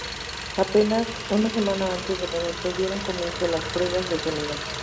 Apenas una semana antes del evento, dieron comienzo las pruebas de sonido.